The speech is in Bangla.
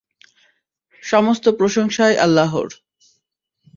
সমস্ত প্রশংসাই আল্লাহর।